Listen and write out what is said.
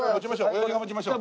オヤジが持ちましょう。